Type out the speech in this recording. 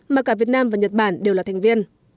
mà cả việt nam và nhật bản đều là thành viên